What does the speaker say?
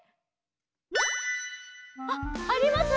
あっあります？